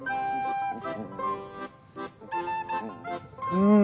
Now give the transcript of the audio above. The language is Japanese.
うん！